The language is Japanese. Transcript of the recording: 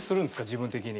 自分的に。